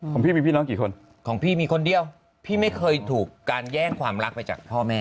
ของพี่มีพี่น้องกี่คนของพี่มีคนเดียวพี่ไม่เคยถูกการแย่งความรักไปจากพ่อแม่